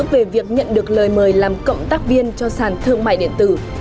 về việc nhận được lời mời làm cộng tác viên cho sàn thương mại điện tử